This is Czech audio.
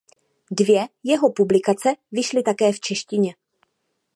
Dvě jeho publikace vyšly také v češtině.